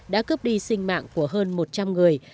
đã cướp đi sinh mạng của hơn một trăm linh người